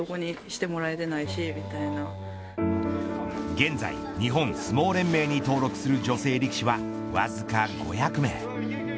現在、日本相撲連盟に登録する女性力士はわずか５００名。